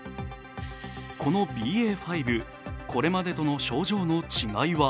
このＢＡ．５、これまでとの症状の違いは？